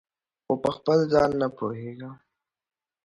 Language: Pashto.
خو پخپل ځان نه پوهیږم